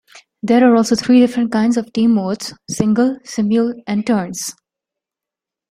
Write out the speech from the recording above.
There are also three different kinds of Team modes: Single, Simul, and Turns.